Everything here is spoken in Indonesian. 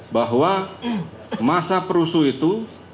bahwa masa perusuh itu